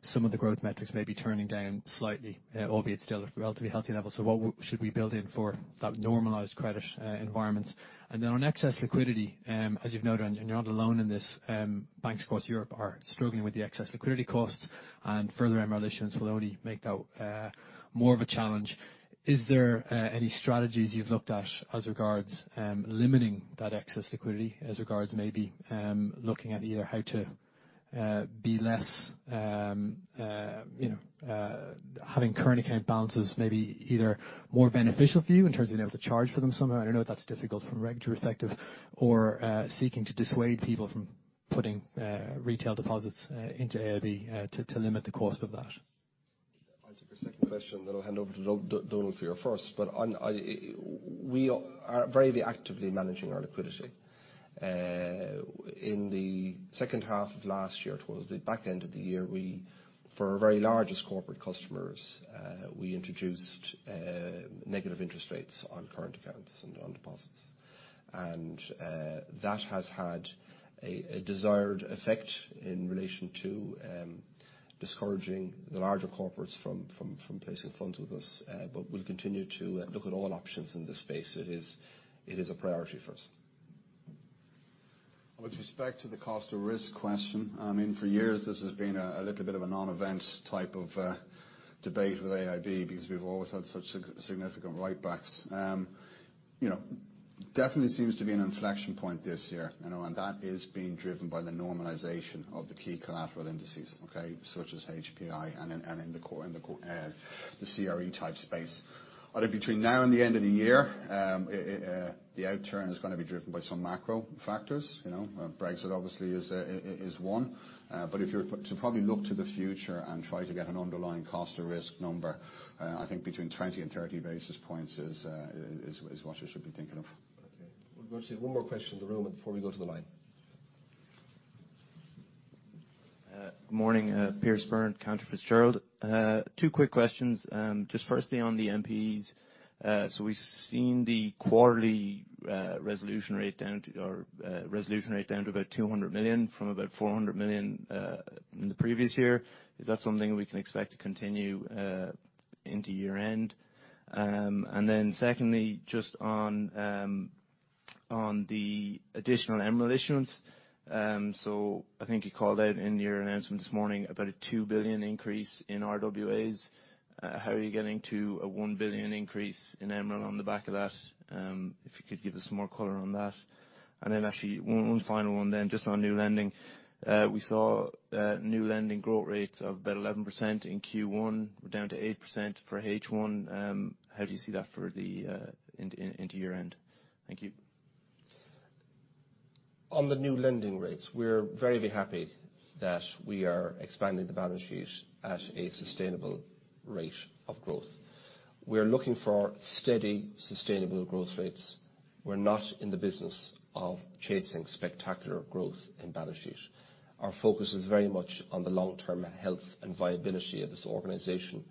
some of the growth metrics may be turning down slightly, albeit still at relatively healthy levels. What should we build in for that normalized credit environment? On excess liquidity, as you've noted, and you're not alone in this, banks across Europe are struggling with the excess liquidity costs and further MREL issuance will only make that more of a challenge. Is there any strategies you've looked at as regards limiting that excess liquidity, as regards maybe looking at either how to be less, having current account balances, maybe either more beneficial for you in terms of being able to charge for them somehow? I don't know if that's difficult from a regulatory perspective, or seeking to dissuade people from putting retail deposits into AIB Group, to limit the cost of that. I'll take your second question, then I'll hand over to Donal for your first. We are very actively managing our liquidity. In the second half of last year, towards the back end of the year, we, for our very largest corporate customers, we introduced negative interest rates on current accounts and on deposits. That has had a desired effect in relation to discouraging the larger corporates from placing funds with us. We'll continue to look at all options in this space. It is a priority for us. With respect to the cost of risk question, for years, this has been a little bit of a non-event type of debate with AIB Group because we've always had such significant write-backs. Definitely seems to be an inflection point this year. That is being driven by the normalization of the key collateral indices, okay, such as HPI and in the CRE type space. Between now and the end of the year, the outturn is going to be driven by some macro factors. Brexit obviously is one. If you're to probably look to the future and try to get an underlying cost of risk number, I think between 20 and 30 basis points is what you should be thinking of. Okay. We're going to take one more question in the room before we go to the line. Good morning. Pierce Byrne, Cantor Fitzgerald. Two quick questions. Firstly on the NPEs. We've seen the quarterly resolution rate down to about 200 million from about 400 million in the previous year. Is that something we can expect to continue into year-end? Secondly, on the additional MREL issuance. I think you called out in your announcement this morning about a 2 billion increase in RWAs. How are you getting to a 1 billion increase in MREL on the back of that? If you could give us some more color on that. One final one, on new lending. We saw new lending growth rates of about 11% in Q1. We're down to 8% for H1. How do you see that into year-end? Thank you. On the new lending rates, we're very happy that we are expanding the balance sheet at a sustainable rate of growth. We are looking for steady, sustainable growth rates. We're not in the business of chasing spectacular growth in balance sheet. Our focus is very much on the long-term health and viability of this organization,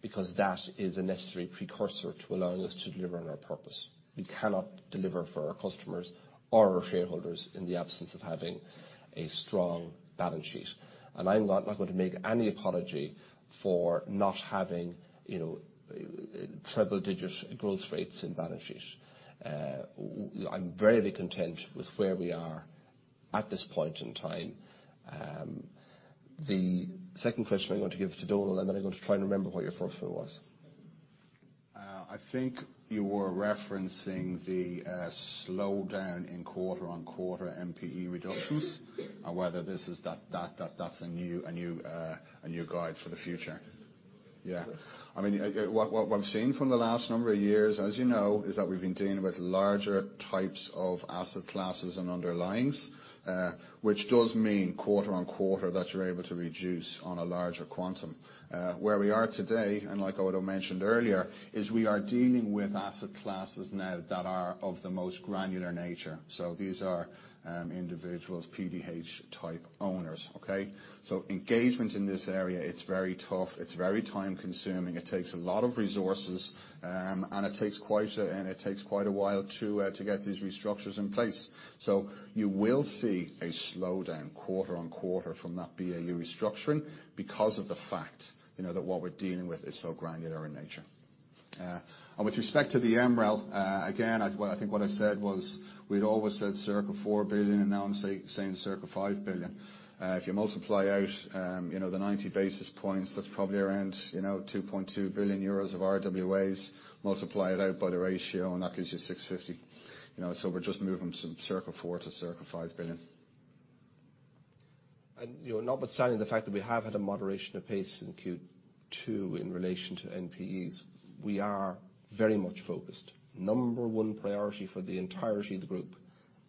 because that is a necessary precursor to allowing us to deliver on our purpose. We cannot deliver for our customers or our shareholders in the absence of having a strong balance sheet. I'm not going to make any apology for not having triple-digit growth rates in balance sheet. I'm very content with where we are at this point in time. The second question I'm going to give to Donal, and then I'm going to try and remember what your first one was. I think you were referencing the slowdown in quarter-on-quarter NPE reductions and whether that's a new guide for the future. Yeah. What we've seen from the last number of years, as you know, is that we've been dealing with larger types of asset classes and underlyings, which does mean quarter-on-quarter that you're able to reduce on a larger quantum. Where we are today, like I would have mentioned earlier, is we are dealing with asset classes now that are of the most granular nature. These are individuals, PDH type owners, okay. Engagement in this area it's very tough. It's very time-consuming. It takes a lot of resources, and it takes quite a while to get these restructures in place. You will see a slowdown quarter on quarter from that BAU restructuring because of the fact that what we're dealing with is so granular in nature. With respect to the MREL, again, I think what I said was we'd always said circa 4 billion, and now I'm saying circa 5 billion. If you multiply out the 90 basis points, that's probably around 2.2 billion euros of RWAs, multiply it out by the ratio, and that gives you 650. We're just moving from circa 4 billion to circa 5 billion. Notwithstanding the fact that we have had a moderation of pace in Q2 in relation to NPEs, we are very much focused. Number one priority for the entirety of the group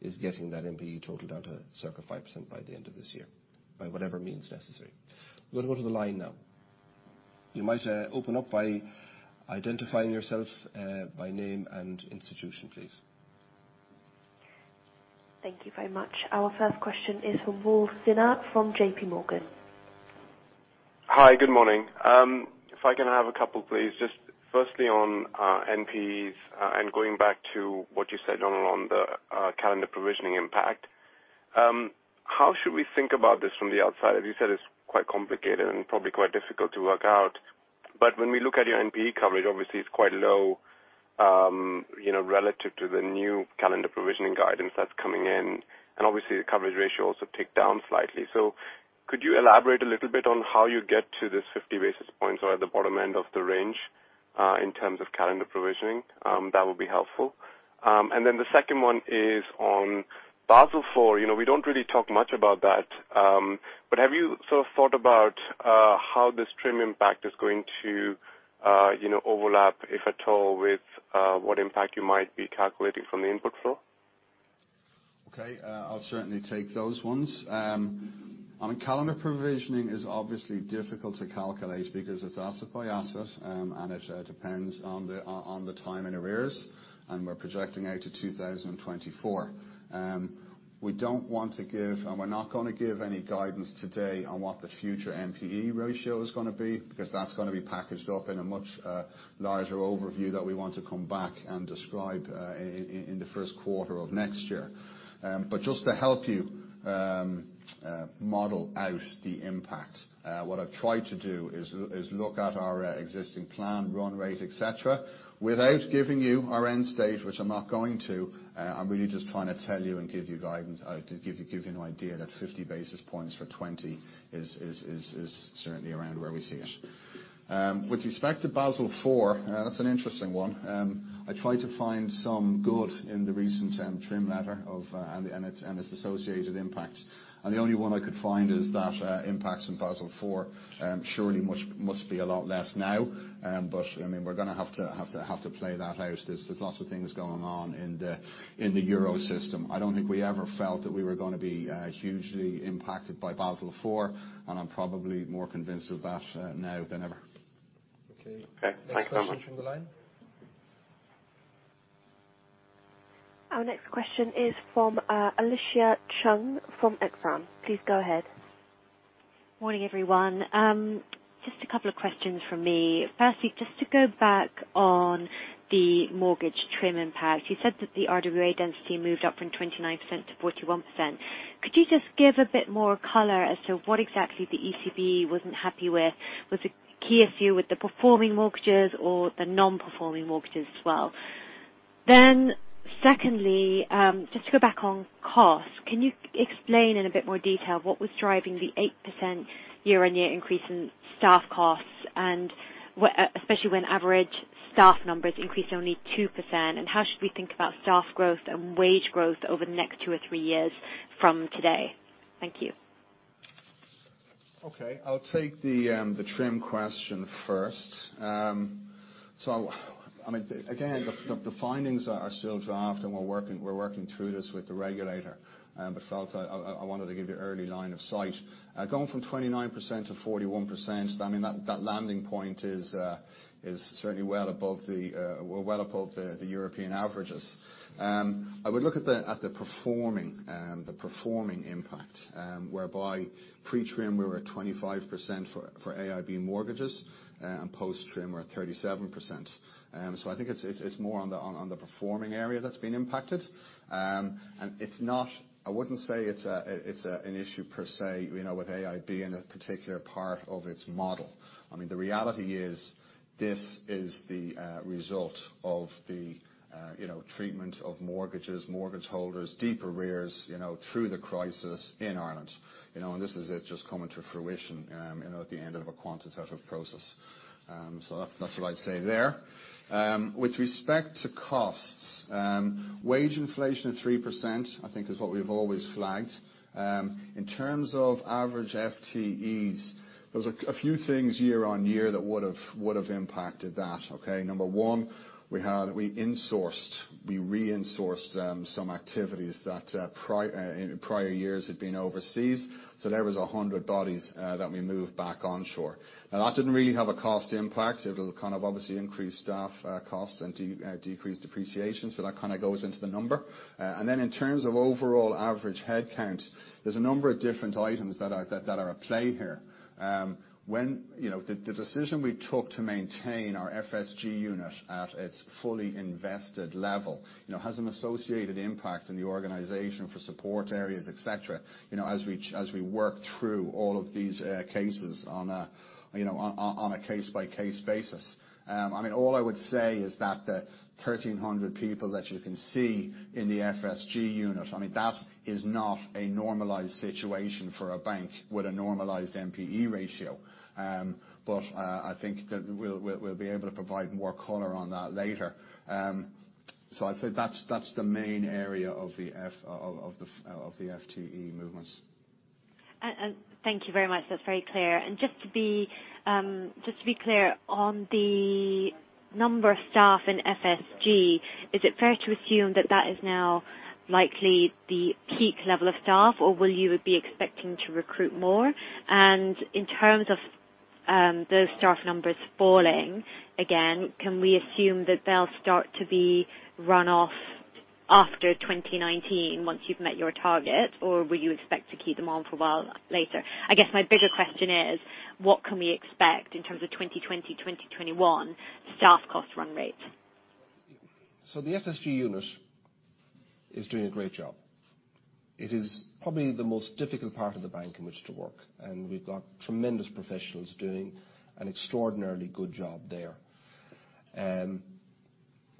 is getting that NPE total down to circa 5% by the end of this year, by whatever means necessary. We'll go to the line now. You might open up by identifying yourself by name and institution, please. Thank you very much. Our first question is from Raul Sinha from JPMorgan. Hi, good morning. If I can have a couple, please. Just firstly on NPEs, going back to what you said, Donal, on the calendar provisioning impact. How should we think about this from the outside? As you said, it's quite complicated and probably quite difficult to work out. When we look at your NPE coverage, obviously, it's quite low relative to the new calendar provisioning guidance that's coming in. Obviously, the coverage ratio also ticked down slightly. Could you elaborate a little bit on how you get to this 50 basis points or at the bottom end of the range, in terms of calendar provisioning? That would be helpful. The second one is on Basel IV. We don't really talk much about that, but have you sort of thought about how this TRIM impact is going to overlap, if at all, with what impact you might be calculating from the input floor? Okay. I'll certainly take those ones. On calendar provisioning is obviously difficult to calculate because it's asset by asset, and it depends on the time in arrears, and we're projecting out to 2024. We don't want to give, and we're not going to give any guidance today on what the future NPE ratio is going to be, because that's going to be packaged up in a much larger overview that we want to come back and describe in the first quarter of next year. Just to help you model out the impact, what I've tried to do is look at our existing plan, run rate, et cetera, without giving you our end state, which I'm not going to. I'm really just trying to tell you and give you guidance, to give you an idea that 50 basis points for 2020 is certainly around where we see it. With respect to Basel IV, that's an interesting one. I try to find some good in the recent TRIM letter and its associated impact. The only one I could find is that impacts in Basel IV surely must be a lot less now. We're going to have to play that out. There's lots of things going on in the Euro system. I don't think we ever felt that we were going to be hugely impacted by Basel IV, and I'm probably more convinced of that now than ever. Okay. Thanks very much. Next question from the line. Our next question is from Alicia Chung from Exane. Please go ahead. Morning, everyone. Just a couple of questions from me. Firstly, just to go back on the mortgage TRIM impact. You said that the RWA density moved up from 29% to 41%. Could you just give a bit more color as to what exactly the ECB wasn't happy with? Was the key issue with the performing mortgages or the non-performing mortgages as well? Secondly, just to go back on cost. Can you explain in a bit more detail what was driving the 8% year-on-year increase in staff costs, and especially when average staff numbers increased only 2%? How should we think about staff growth and wage growth over the next two or three years from today? Thank you. I'll take the TRIM question first. Again, the findings are still draft, and we're working through this with the regulator. Folks, I wanted to give you an early line of sight. Going from 29% to 41%, that landing point is certainly well above the European averages. I would look at the performing impact, whereby pre-TRIM we were at 25% for AIB mortgages, and post-TRIM we're at 37%. I think it's more on the performing area that's been impacted. I wouldn't say it's an issue, per se, with AIB Group in a particular part of its model. The reality is, this is the result of the treatment of mortgages, mortgage holders, deep arrears through the crisis in Ireland. This is it just coming to fruition at the end of a quantitative process. That's what I'd say there. With respect to costs, wage inflation at 3% I think, is what we've always flagged. In terms of average FTEs, there was a few things year-on-year that would have impacted that. Okay? Number 1, we re-insourced some activities that in prior years had been overseas. There was 100 bodies that we moved back onshore. Now, that didn't really have a cost impact. It will kind of obviously increase staff costs and decrease depreciation, that kind of goes into the number. In terms of overall average head count, there's a number of different items that are at play here. The decision we took to maintain our FSG unit at its fully invested level has an associated impact on the organization for support areas, et cetera, as we work through all of these cases on a case-by-case basis. All I would say is that the 1,300 people that you can see in the FSG unit, that is not a normalized situation for a bank with a normalized NPE ratio. I think that we'll be able to provide more color on that later. I'd say that's the main area of the FTE movements. Thank you very much. That's very clear. Just to be clear, on the number of staff in FSG, is it fair to assume that that is now likely the peak level of staff, or will you be expecting to recruit more? In terms of those staff numbers falling again, can we assume that they'll start to be run off after 2019 once you've met your target, or will you expect to keep them on for a while later? I guess my bigger question is, what can we expect in terms of 2020, 2021 staff cost run rates? The FSG unit is doing a great job. It is probably the most difficult part of the bank in which to work, and we've got tremendous professionals doing an extraordinarily good job there.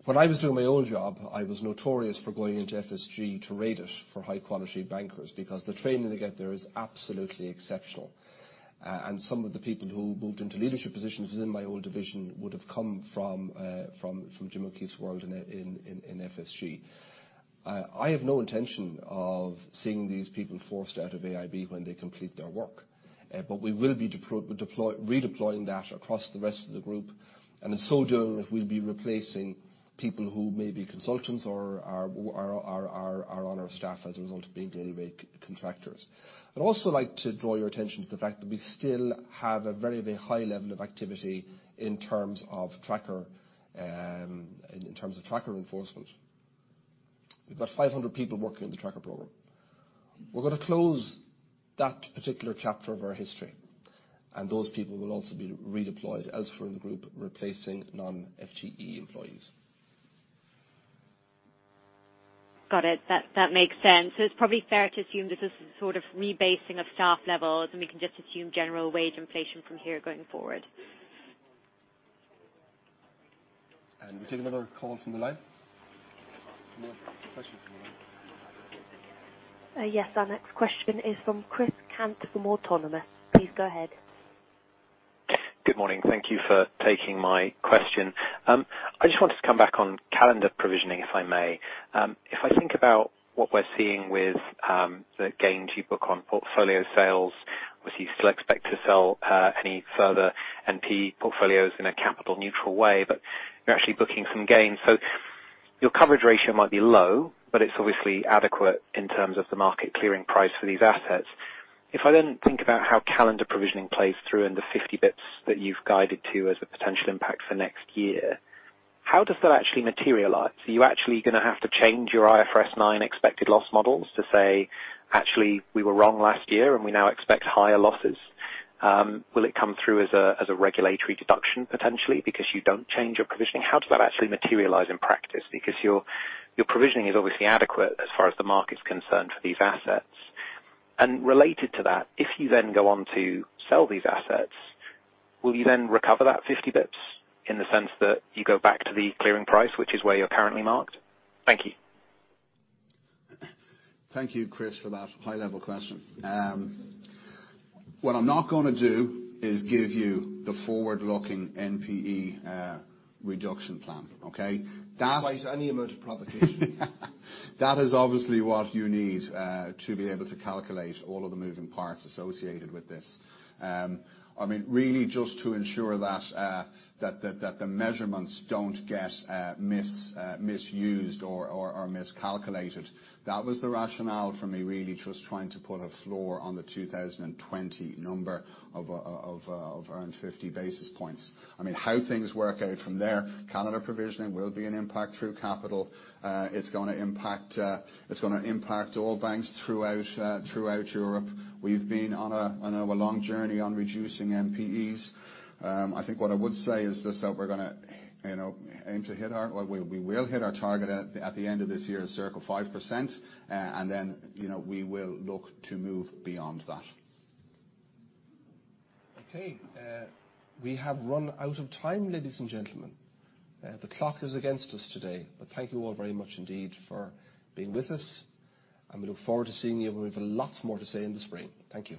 When I was doing my old job, I was notorious for going into FSG to raid it for high-quality bankers, because the training they get there is absolutely exceptional. Some of the people who moved into leadership positions within my old division would have come from Jim O'Keeffe's world in FSG. I have no intention of seeing these people forced out of AIB Group when they complete their work. We will be redeploying that across the rest of the group, and in so doing, we'll be replacing people who may be consultants or are on our staff as a result of being daily rate contractors. I'd also like to draw your attention to the fact that we still have a very high level of activity in terms of tracker enforcement. We've got 500 people working in the tracker program. We're going to close that particular chapter of our history, and those people will also be redeployed elsewhere in the group, replacing non-FTE employees. Got it. That makes sense. It's probably fair to assume this is a sort of rebasing of staff levels, and we can just assume general wage inflation from here going forward. We take another call from the line. Any more questions from the line? Yes. Our next question is from Chris Cant from Autonomous. Please go ahead. Good morning. Thank you for taking my question. I just wanted to come back on calendar provisioning, if I may. If I think about what we're seeing with the gains you book on portfolio sales, obviously, you still expect to sell any further NPE portfolios in a capital-neutral way, but you're actually booking some gains. Your coverage ratio might be low, but it's obviously adequate in terms of the market-clearing price for these assets. I think about how calendar provisioning plays through in the 50 basis points that you've guided to as a potential impact for next year. How does that actually materialize? Are you actually going to have to change your IFRS 9 expected loss models to say, "Actually, we were wrong last year, and we now expect higher losses"? Will it come through as a regulatory deduction, potentially because you don't change your provisioning? How does that actually materialize in practice? Your provisioning is obviously adequate as far as the market's concerned for these assets. Related to that, if you then go on to sell these assets, will you then recover that 50 basis points in the sense that you go back to the clearing price, which is where you're currently marked? Thank you. Thank you, Chris, for that high-level question. What I'm not going to do is give you the forward-looking NPE reduction plan, okay? Despite any amount of provocation. That is obviously what you need to be able to calculate all of the moving parts associated with this. Really just to ensure that the measurements don't get misused or miscalculated. That was the rationale for me, really just trying to put a floor on the 2020 number of around 50 basis points. How things work out from there, calendar provisioning will be an impact through capital. It's going to impact all banks throughout Europe. We've been on a long journey on reducing NPEs. I think what I would say is just that, well, we will hit our target at the end of this year, circa 5%, then we will look to move beyond that. Okay. We have run out of time, ladies and gentlemen. The clock is against us today. Thank you all very much indeed for being with us, and we look forward to seeing you. We have lots more to say in the spring. Thank you.